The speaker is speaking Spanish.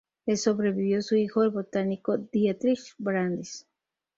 Le sobrevivió su hijo, el botánico Dietrich Brandis.